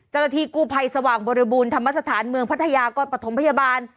จรธีกูภัยสว่างบริบูรณ์ธรรมสถานเมืองพัทยากรปฐมพยาบาล